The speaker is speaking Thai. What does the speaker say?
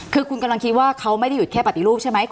คือคุณกำลังคิดว่าเขาไม่ได้หยุดแค่ปฏิรูปใช่ไหม